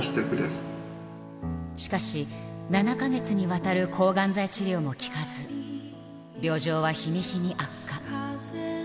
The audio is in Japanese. しかし、７か月にわたる抗がん剤治療も効かず、病状は日に日に悪化。